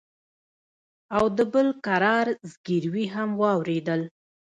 او د بل کرار زگيروي هم واورېدل.